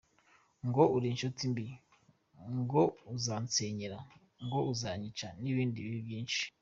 Ngo uri inshuti mbi !;- Ngo uzansenyera !;- Ngo uzanyica !;- N’ibindi bibi byinshi.